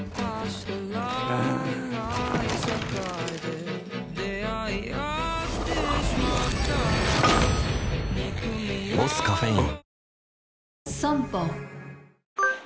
うん「ボスカフェイン」